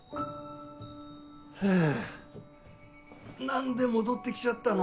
ハァ何で戻って来ちゃったの？